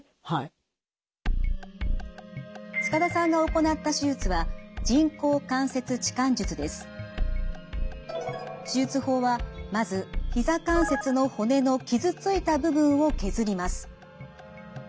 塚田さんが行った手術は手術法はまずひざ関節の骨の傷ついた部分を削ります。